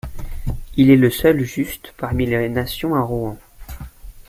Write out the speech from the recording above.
Il est le seul Juste parmi les nations à Rouen.